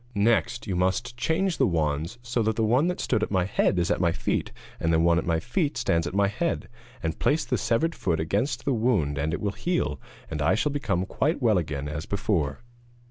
Next you must change the wands so that the one that stood at my head is at my feet, and the one at my feet stands at my head, and place the severed foot against the wound and it will heal, and I shall become quite well again as before.'